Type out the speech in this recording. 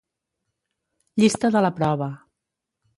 Llista de la prova.